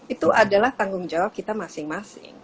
itu adalah tanggung jawab kita masing masing